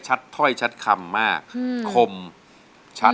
เราอยู่กับเจ้ามากกว่าไก่กลับไป